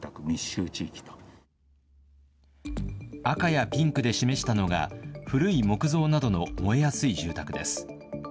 赤やピンクで示したのが古い木造などの燃えやすい住宅です。